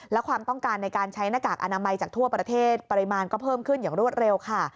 และความต้องการในการใช้หน้ากากอนามัยจากทั่วประเทศปริมาณก็เพิ่มขึ้นอย่างรวดเร็วค่ะ